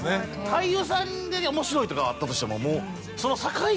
俳優さんで面白いとかあったとしても。